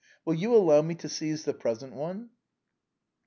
Will you allow me to seize the present one